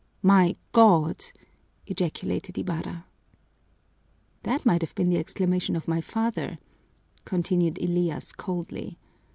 "My God!" ejaculated Ibarra. "That might have been the exclamation of my father," continued Elias coldly.